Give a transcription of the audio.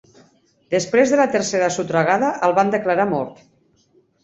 Després de la tercera sotragada, el van declarar mort.